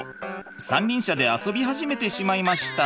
三輪車で遊び始めてしまいました。